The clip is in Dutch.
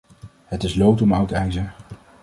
Het is lood om oud ijzer.